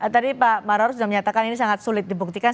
tadi pak marwar sudah menyatakan ini sangat sulit dibuktikan